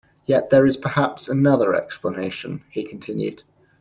"Yet there is perhaps, another explanation," he continued.